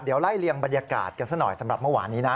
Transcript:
เดี๋ยวไล่เลี่ยงบรรยากาศกันซะหน่อยสำหรับเมื่อวานนี้นะ